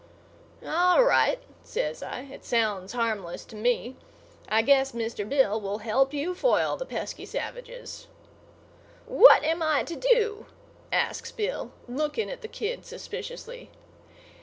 "All right," says I. "It sounds harmless to me. I guess Mr. Bill will help you foil the pesky savages." "What am I to do?" asks Bill, looking at the kid suspiciously.